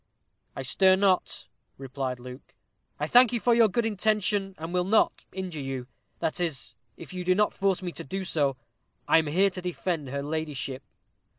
"I stir not," replied Luke. "I thank you for your good intention, and will not injure you that is, if you do not force me to do so. I am here to defend her ladyship."